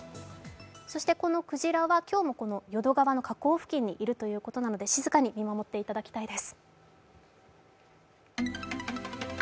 そしてこのクジラは今日も淀川の河口付近にいるということなので静かに見守っていただきたいです。